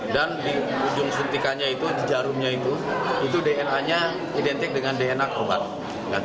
dan di ujung suntikannya itu di jarumnya itu itu dna nya identik dengan dna korban